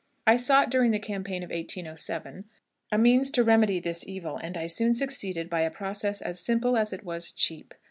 "I sought, during the campaign of 1807, a means to remedy this evil, and I soon succeeded by a process as simple as it was cheap.